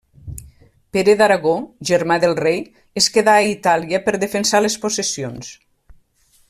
Pere d'Aragó, germà del rei, es quedà a Itàlia per defensar les possessions.